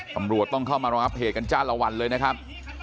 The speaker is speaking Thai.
ตำรวจต้องเข้ามารองรับเหตุกันจ้านละวันเลยนะครับ